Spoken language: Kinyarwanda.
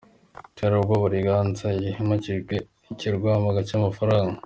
Iterabwoba riganza iyo himakajwe ikigirwamana cy’ifaranga.